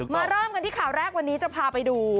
เริ่มกันที่ข่าวแรกวันนี้จะพาไปดู